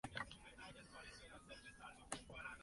Su preferido: el jefe de gabinete de la Casa Blanca, Leo McGarry.